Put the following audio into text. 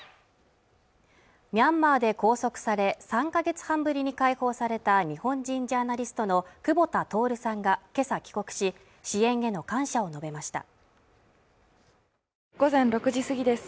ミャンマーで拘束され３か月半ぶりに解放された日本人ジャーナリストの久保田徹さんがけさ帰国し支援への感謝を述べました午前６時過ぎです